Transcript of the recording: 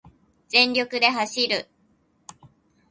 全力で走る